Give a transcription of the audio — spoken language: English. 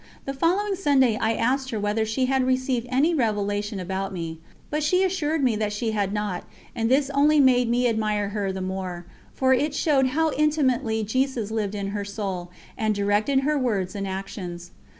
The following Sunday I asked her whether she had received any revelation about me, but she assured me that she had not, and this only made me admire her the more, for it showed how intimately Jesus lived in her soul and directed her words and actions.